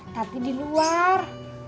tapi di luar